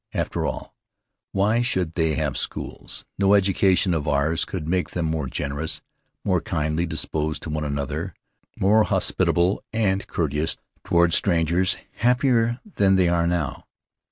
After all, why should they have schools? No education of ours could make them more generous more kindly disposed to one another, more hospitable and courteous toward strangers, happier than they are now.